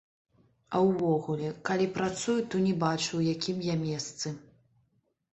А ўвогуле, калі працую, то не бачу, у якім я месцы.